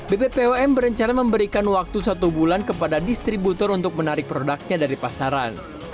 bppom berencana memberikan waktu satu bulan kepada distributor untuk menarik produknya dari pasaran